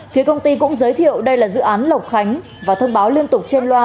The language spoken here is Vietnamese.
phía công ty cũng giới thiệu đây là dự án lộc khánh và thông báo liên tục trên loa